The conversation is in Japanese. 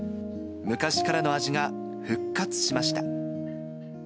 昔からの味が復活しました。